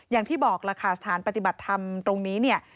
อย่างที่บอกลักษณ์สถานปฏิบัติธรรมตรงนี้